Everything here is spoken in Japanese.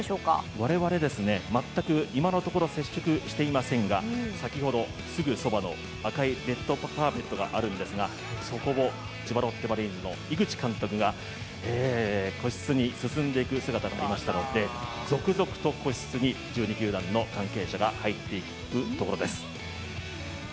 我々、全く今のところ接触していませんが先ほどすぐそばにレッドカーペットがあるんですが、そこを千葉ロッテマリーンズの井口監督が個室に進んでいく姿を見ましたので続々と個室に１２球団の関係者が入っていくところです。